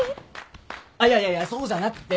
あっいやいやいやそうじゃなくて。